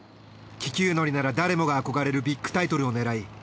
気球乗りなら誰もが憧れるビッグタイトルを狙い